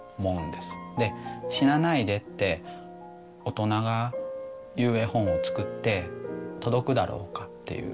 で死なないでって大人が言う絵本を作って届くだろうかっていう。